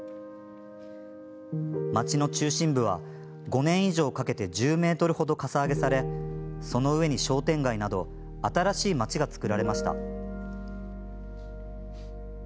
町の中心部は５年以上かけて１０ｍ程かさ上げされその上に商店街など新しい町がつくられました。